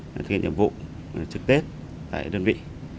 thực hiện nhiệm vụ trực tết tại đơn vị